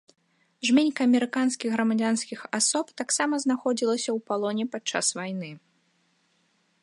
Жменька амерыканскіх грамадзянскіх асоб таксама знаходзілася ў палоне падчас вайны.